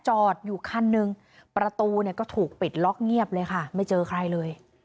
จอดอยู่คันหนึ่งประตูเนี่ยก็ถูกปิดล็อกเงียบเลยค่ะไม่เจอใครเลย